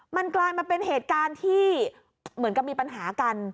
มันกลายมาเป็นเหตุการณ์ที่เหมือนกับมีปัญหากัน